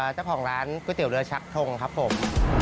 เจ้าของร้านก๋วยเตี๋ยวเรือชักทงครับผม